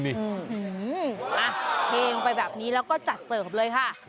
อืมอ่ะเฮงไปแบบนี้แล้วก็จัดเสิร์ฟเลยค่ะ